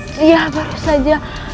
dia baru saja